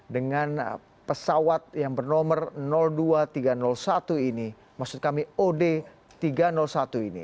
dengan pesawat yang bernomor dua ribu tiga ratus satu ini maksud kami od tiga ratus satu ini